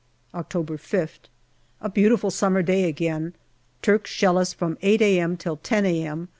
October 5th. A beautiful summer day again. Turks shell us from 8 a.m. till 10 a.m.